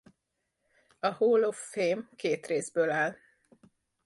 A Hall of Fame két részből áll.